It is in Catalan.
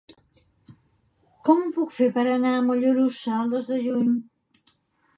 Com ho puc fer per anar a Mollerussa el dos de juny?